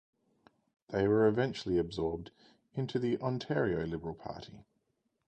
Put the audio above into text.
They were eventually absorbed into the Ontario Liberal Party.